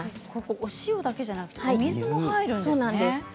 お塩だけではなくてお水も入るんですね。